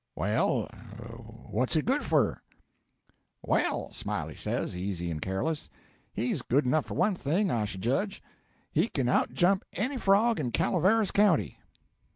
Well, what's he good for?' 'Well,' Smiley says, easy and careless, 'he's good enough for one thing, I should judge he can outjump any frog in Calaveras County.'